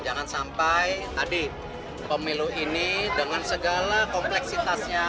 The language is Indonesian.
jangan sampai tadi pemilu ini dengan segala kompleksitasnya